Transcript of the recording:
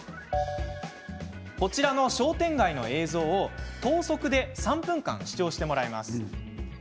こちらの商店街の映像を等速で３分間、視聴してもらいます。